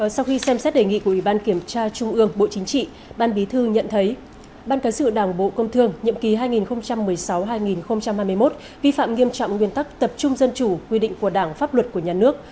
sau khi xem xét đề nghị của ủy ban kiểm tra trung ương bộ chính trị ban bí thư nhận thấy ban cảnh sự đảng bộ công thương nhiệm kỳ hai nghìn một mươi sáu hai nghìn hai mươi một vi phạm nghiêm trọng nguyên tắc tập trung dân chủ quy định của đảng pháp luật của nhà nước